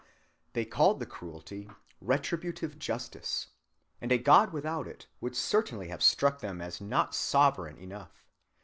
They called the cruelty "retributive justice," and a God without it would certainly have struck them as not "sovereign" enough.